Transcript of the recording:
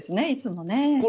いつもね。